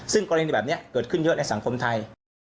ซึ่งกรณีแบบนี้เกิดขึ้นเยอะในสังคมไทย